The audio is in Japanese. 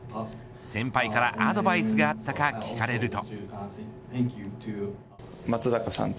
先輩からアドバイスがあったか聞かれると。